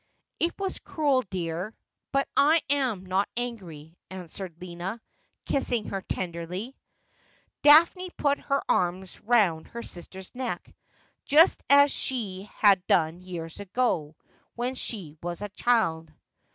' It was cruel, dear ; but I am not angry,' answered Lina, kissing her tenderly. Daphne put her arms round her sister's neck, just as she had done years ago when she was a child.